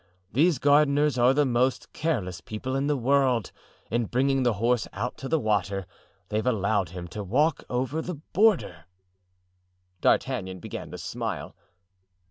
These gardeners are the most careless people in the world; in bringing the horse out to the water they've allowed him to walk over the border." D'Artagnan began to smile.